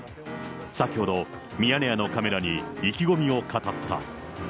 先ほど、ミヤネ屋のカメラに意気込みを語った。